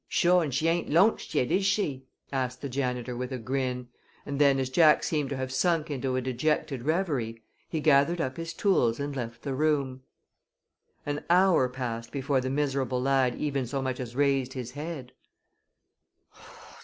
"Sure an' she ain't la'nched yet, is she?" asked the janitor, with a grin, and then, as Jack seemed to have sunk into a dejected reverie, he gathered up his tools and left the room. An hour passed before the miserable lad even so much as raised his head.